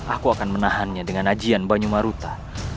aku akan menahannya dengan ajian banyumaruta